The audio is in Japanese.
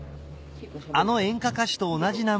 あの演歌歌手と同じ名前